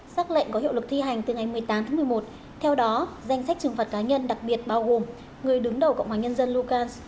xác lệnh có hiệu lực thi hành từ ngày một mươi tám tháng một mươi một theo đó danh sách trừng phạt cá nhân đặc biệt bao gồm người đứng đầu cộng hòa nhân dân lukash